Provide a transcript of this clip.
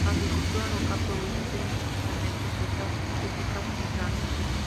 La agricultura local produce especialmente frutas cítricas y granos.